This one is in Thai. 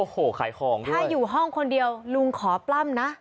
ถ้าอยู่ห้องคนเดียวลุงขอปล้ำนะ